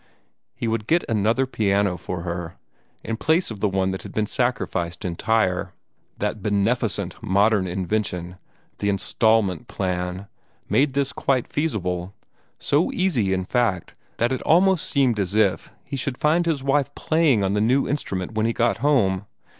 He would get another piano for her, in place of that which had been sacrificed in Tyre. That beneficient modern invention, the instalment plan, made this quite feasible so easy, in fact, that it almost seemed as if he should find his wife playing on the new instrument when he got home.